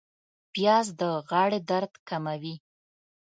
پیاز د غاړې درد کموي